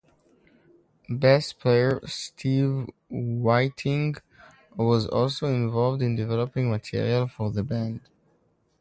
Bass player Steve Whiting was also involved in developing material for the band.